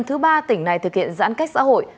thứ ba tỉnh này thực hiện giãn cách xã hội